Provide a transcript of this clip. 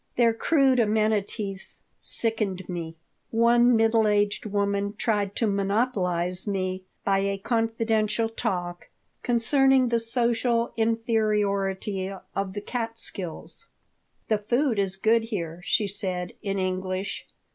Their crude amenities sickened me. One middle aged woman tried to monopolize me by a confidential talk concerning the social inferiority of the Catskills "The food is good here," she said, in English.